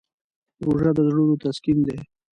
روژه د زړونو تسکین دی.